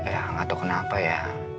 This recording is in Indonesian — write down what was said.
ya gak tau kenapa ya